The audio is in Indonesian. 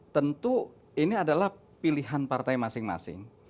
tentu ini adalah pilihan partai masing masing